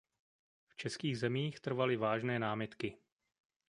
V českých zemích trvaly vážné námitky.